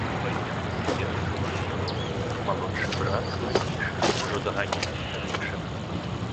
Двайняты сябе адчуваюць добра, малодшы брат, слабейшы, ужо даганяе старэйшага.